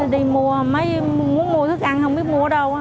đi mua muốn mua thức ăn không biết mua ở đâu